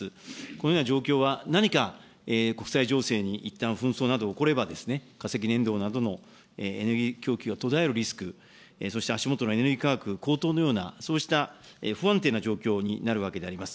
このような状況は、何か国際情勢にいったん紛争などが起これば、化石燃料などのエネルギー供給が途絶えるリスク、そして足下のエネルギー価格高騰のようなそうした不安定な状況になるわけであります。